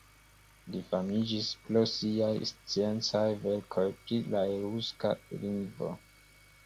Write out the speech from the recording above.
Li famiĝis pro siaj sciencaj verkoj pri la eŭska lingvo.